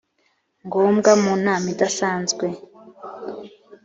ngombwa mu nama idasanzwe